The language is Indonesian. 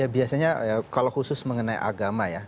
biasanya kalau khusus mengenai agama ya